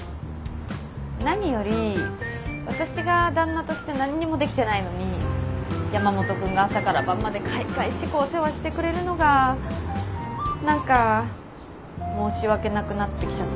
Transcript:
何より私が旦那として何にもできてないのに山本君が朝から晩までかいがいしくお世話してくれるのが何か申し訳なくなってきちゃったみたいな。